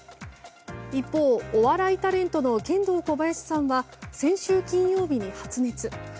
一方、お笑いタレントのケンドーコバヤシさんは先週金曜日に発熱。